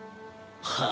はあ？